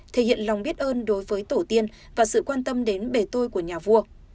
thể hiện lòng biết ơn đối với tổ tiên và sự quan tâm đến bể tôi của nhà vua